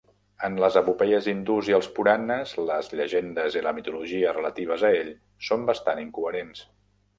En les epopeies hindús i els puranas, les llegendes i la mitologia relatives a ell són bastant incoherents.